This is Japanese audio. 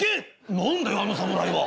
「何だよあの侍は。